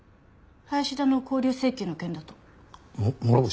林田の勾留請求の件だと。も諸星？